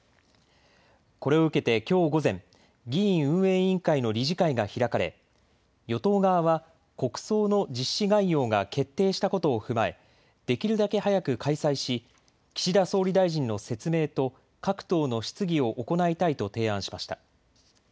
これを受けてきょう午前、議院運営委員会の理事会が開かれ与党側は国葬の実施概要が決定したことを踏まえできるだけ早く開催し岸田総理大臣の説明と各党の質疑を行いたいと提案しました。